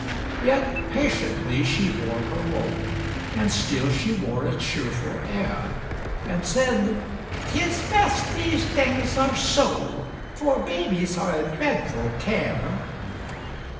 Yet patiently she bore her woe, And still she wore a cheerful air, And said: "'Tis best these things are so, For babies are a dreadful care!"